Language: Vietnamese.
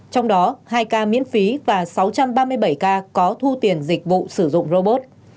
trong đó hai ca miễn phí và sáu trăm ba mươi bảy ca có thu tiền dịch vụ sử dụng robot